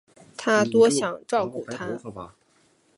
她想多照顾她